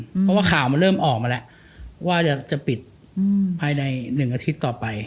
เพราะว่าข่าวมันเริ่มออกมาแล้วว่าจะปิดภายใน๑อาทิตย์ต่อไป